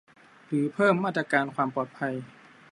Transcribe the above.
หรือเพิ่มมาตรการความปลอดภัย